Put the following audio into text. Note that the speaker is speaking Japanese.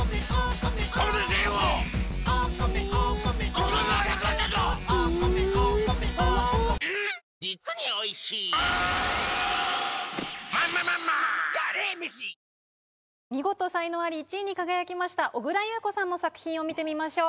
ここがそして見事見事才能アリ１位に輝きました小倉優子さんの作品を見てみましょう。